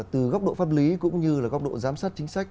từ góc độ pháp lý cũng như là góc độ giám sát chính sách